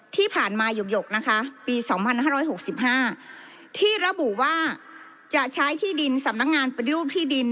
ที่ผ่านมาหยกนะคะปี๒๕๖๕ที่ระบุว่าจะใช้ที่ดินสำนักงานปฏิรูปที่ดิน